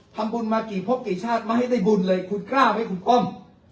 ทำบุญมากี่พบกี่ชาติมาให้ได้บุญเลยคุณกล้าไหมคุณก้ม